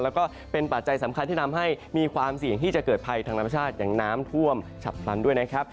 แล้วก็เป็นปัจจัยสำคัญที่ทำให้มีความเสี่ยงที่จะเกิดภัยทางธรรมชาติอย่างน้ำท่วมฉับพลันด้วยนะครับ